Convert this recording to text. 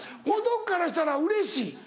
男からしたらうれしい。